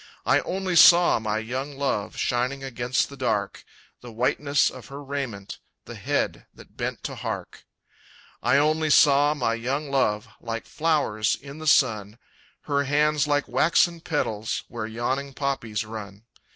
I only saw my young love Shining against the dark, The whiteness of her raiment, The head that bent to hark. I only saw my young love, Like flowers in the sun Her hands like waxen petals, Where yawning poppies run.